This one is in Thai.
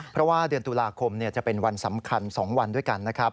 เพราะว่าเดือนตุลาคมจะเป็นวันสำคัญ๒วันด้วยกันนะครับ